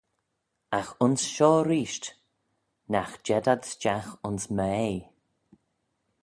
Agh ayns shoh reesht, Nagh jed ad stiagh ayns m'ea.